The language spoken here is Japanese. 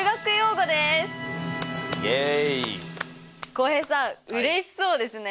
浩平さんうれしそうですね。